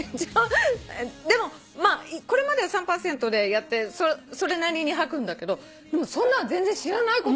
でもこれまでは３％でやってそれなりに吐くんだけどそんなの全然知らないこと。